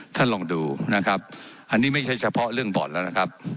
ท่านลองดูนะครับอันนี้ไม่ใช่เฉพาะเรื่องบ่อนแล้วนะครับ